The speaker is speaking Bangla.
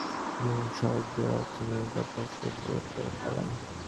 নিয়ম-শব্দের অর্থ নিয়মিত অভ্যাস ও ব্রত-পালন।